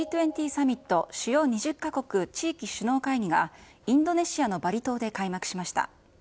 Ｇ２０サミット・主要２０か国・地域首脳会議が、インドネシアのバリ島で開幕しました。